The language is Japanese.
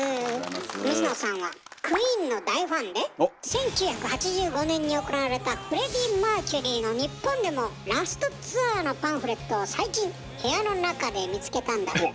水野さんはＱＵＥＥＮの大ファンで１９８５年に行われたフレディ・マーキュリーの日本でのラストツアーのパンフレットを最近部屋の中で見つけたんだって？